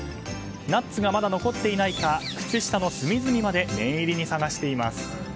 ナッツがまだ残っていないか靴下の隅々まで念入りに探しています。